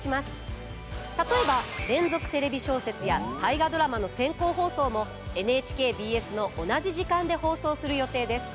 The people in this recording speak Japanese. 例えば「連続テレビ小説」や「大河ドラマ」の先行放送もＮＨＫＢＳの同じ時間で放送する予定です。